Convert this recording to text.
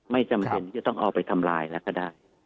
ไม่จำเป็นที่จะต้องเอาไปทำลายแล้วก็ได้